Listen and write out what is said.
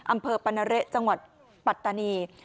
อำเภอปรณเละจังหวัดปัตตานี